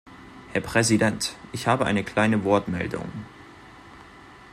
Herr Präsident, ich habe eine kleine Wortmeldung.